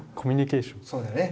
そうだね。